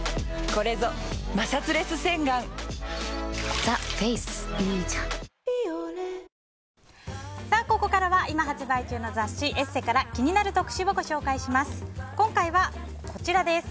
ここからは今発売中の雑誌「ＥＳＳＥ」から気になる特集をご紹介します。